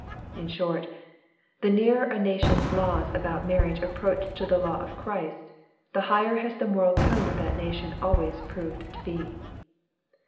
In short, the nearer a nation's laws about marriage approach to the law of Christ, the higher has the moral tone of that nation always proved to be.